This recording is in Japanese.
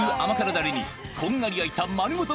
だれに、こんがり焼いた丸ごと